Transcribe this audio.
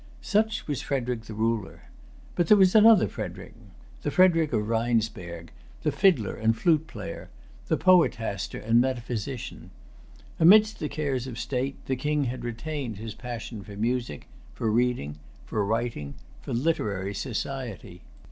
Such was Frederic the Ruler. But there was another Frederic,—the Frederic of Rheinsberg, the fiddler and flute player, the poetaster and metaphysician. Amidst the cares of state the King had retained his passion for music, for reading, for writing, for literary society.